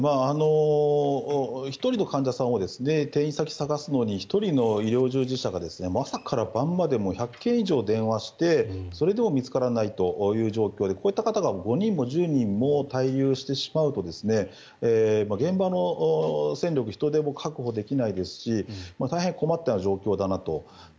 １人の患者さんの転院先探すのに１人の医療従事者が朝から晩まで１００件以上電話してそれでも見つからないという状況でこういった方が５人も１０人も滞留してしまうと現場の戦力、人手も確保できないですし大変困った状況だなと。